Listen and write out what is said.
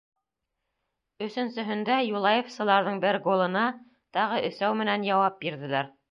Өсөнсөһөндә юлаевсыларҙың бер голына тағы өсәү менән яуап бирҙеләр.